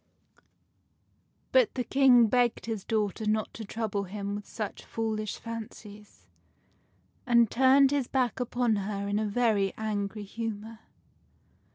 But the King begged his daughter not to trouble him with such foolish fancies, and turned his back upon her in a very angry humor.